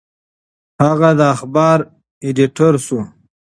هغه د اخبار ایډیټور شو.